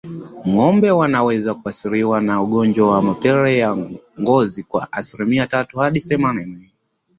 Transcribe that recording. Ngombe wanaweza kuathirika na ugonjwa wa mapele ya ngozi kwa asilimia tatu hadi themanini